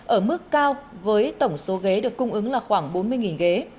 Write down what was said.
ở mức cao với tổng số ghế được cung ứng là khoảng bốn mươi ghế